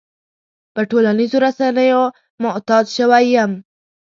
په ټولنيزو رسنيو معتاد شوی يم.